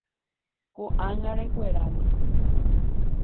Ko'ág̃a rekueráma.